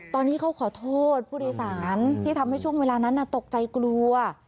ตอนนี้เขาขอโทษผู้โดยสารที่ทำให้ช่วงเวลานั้นตกใจกลัว